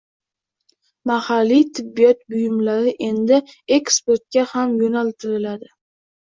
Mahalliy tibbiyot buyumlari endi eksportga ham yo‘naltiriladi